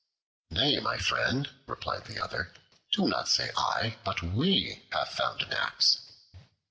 "Nay, my friend," replied the other, "do not say 'I,' but 'We' have found an axe."